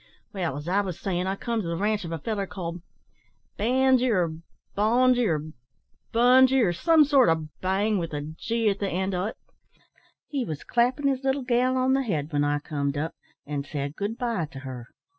Well, as I was sayin', I come to the ranche o' a feller called Bangi, or Bongi, or Bungi, or some sort o' bang, with a gi at the end o' 't. He was clappin' his little gal on the head, when I comed up, and said good bye to her.